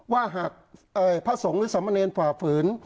ว่าหากพระสงฆ์หรือสมเนรฝ่าฝืน